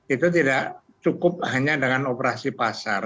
itu tidak cukup hanya dengan operasi pasar